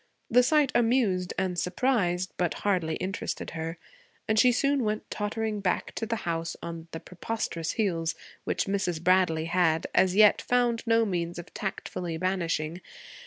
The sight amused and surprised, but hardly interested her, and she soon went tottering back to the house on the preposterous heels which Mrs. Bradley had, as yet, found no means of tactfully banishing.